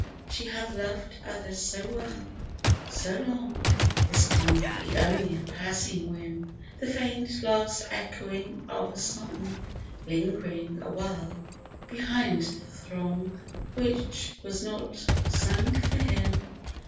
She hath loved others so well, so long, This can be only a passing whim," The faint last echoing of a song Ling'ring awhile behind the throng, Which was not sung for him